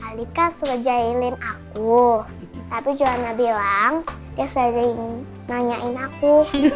aldi kan suka jahilin aku tapi juana bilang dia sering nanyain aku